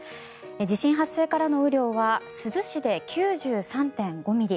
地震発生からの雨量は珠洲市で９３．５ミリ。